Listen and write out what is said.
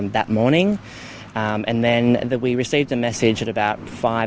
dan kemudian kami mendapatkan pesan pada pukul lima saya akan mengatakan